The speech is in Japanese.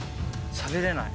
しゃべれない。